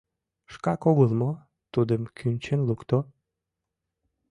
Шкак огыл мо Тудым кӱнчен лукто?